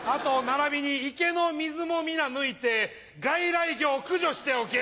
ならびに池の水もみな抜いて外来魚を駆除しておけ。